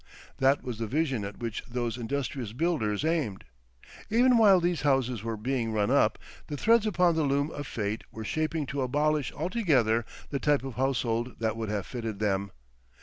That was the vision at which those industrious builders aimed. Even while these houses were being run up, the threads upon the loom of fate were shaping to abolish altogether the type of household that would have fitted them.